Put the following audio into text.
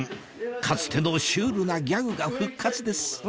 かつてのシュールなギャグが復活ですうわ